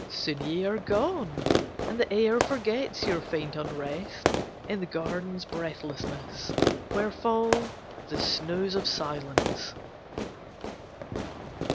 Soon ye are gone, and the air Forgets your faint unrest In the garden's breathlessness, Where fall the snows of silence.